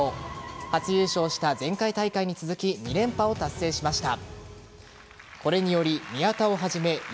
初優勝した前回大会に続き２連覇を達成しました。